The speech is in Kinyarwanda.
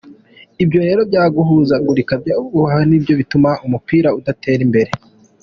Ibyo rero byo guhuzagurika nyakubahwa nibyo bituma umupira udatera imbere!!